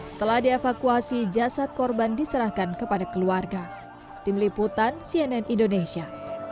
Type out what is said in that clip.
setelah dievakuasi jasad korban diserahkan kepada keluarga